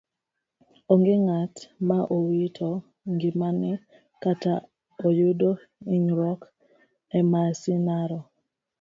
Onge ng'at ma owito ngimane kata ma oyudo inyruok emasirano.